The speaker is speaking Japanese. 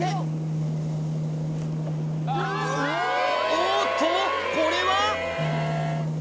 おっとこれは！？